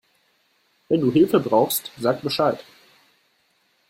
Wenn du Hilfe brauchst, sag Bescheid.